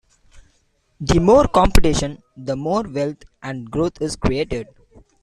The more competition, the more wealth and growth is created.